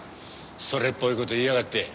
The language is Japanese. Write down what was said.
それっぽい事言いやがって。